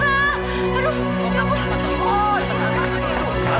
aduh ya ampun patungan